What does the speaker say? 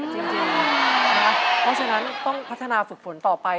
เพราะฉะนั้นต้องพัฒนาฝึกฝนต่อไป